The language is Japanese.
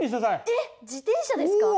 えっ自転車ですか？